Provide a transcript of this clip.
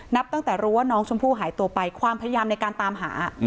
นับตั้งแต่รู้ว่าน้องชมพู่หายตัวไปความพยายามในการตามหา